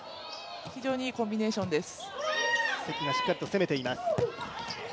非常にいいコンビネーションです。